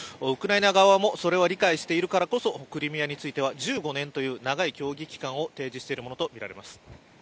ウクライナ側もそれは理解しているからこそ、クリミアについては１５年という長い協議期間を提示しているものとみられます。